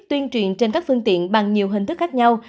tuyên truyền trên các phương tiện bằng nhiều hình thức khác nhau